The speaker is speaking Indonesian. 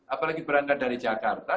apalagi berangkat dari jakarta